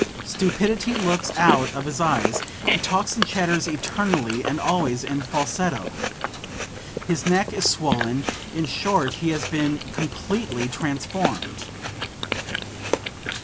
Stupidity looks out of his eyes, he talks and chatters eternally and always in falsetto. His neck is swollen, in short he has been completely transformed."